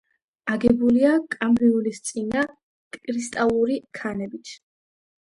აგებულია კამბრიულისწინა კრისტალური ქანებით.